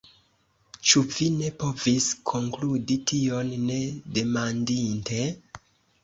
« Ĉu vi ne povis konkludi tion, ne demandinte?"